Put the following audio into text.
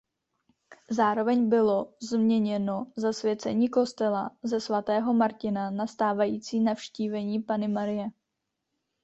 Zároveň bylo změněno zasvěcení kostela ze svatého Martina na stávající Navštívení Panny Marie.